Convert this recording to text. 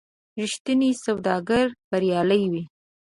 رښتینی سوداګر بریالی وي.